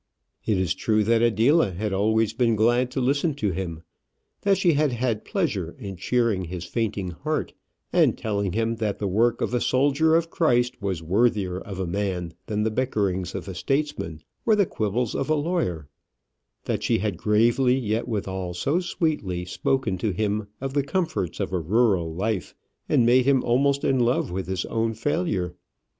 It is true that Adela had always been glad to listen to him; that she had had pleasure in cheering his fainting heart, and telling him that the work of a soldier of Christ was worthier of a man than the bickerings of a statesman or the quibbles of a lawyer; that she had gravely, yet withal so sweetly, spoken to him of the comforts of a rural life, and made him almost in love with his own failure.